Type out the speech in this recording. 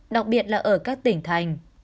đặc biệt là ở các tỉnh thành